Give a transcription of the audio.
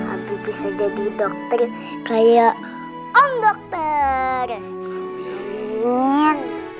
aku bisa jadi dokter kayak om dokter